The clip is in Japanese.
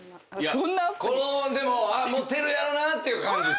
このでもモテるやろなっていう感じです。